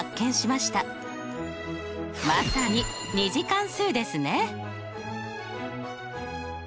まさに２次関数ですね。